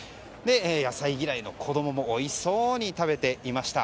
野菜嫌いの子供もおいしそうに食べていました。